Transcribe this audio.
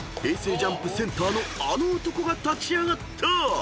ＪＵＭＰセンターのあの男が立ち上がった！］